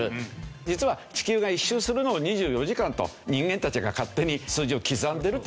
実は地球が１周するのが２４時間と人間たちが勝手に数字を刻んでるってだけなんですけど。